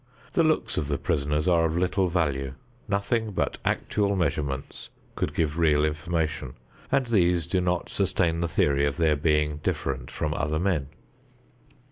The looks of the prisoners are of little value. Nothing but actual measurements could give real information, and these do not sustain the theory of their being different from other men.